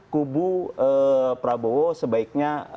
kubu prabowo sebaiknya